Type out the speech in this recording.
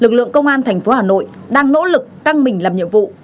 lực lượng công an thành phố hà nội đang nỗ lực căng mình làm nhiệm vụ